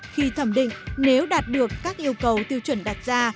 khi thẩm định nếu đạt được các yêu cầu tiêu chuẩn đặt ra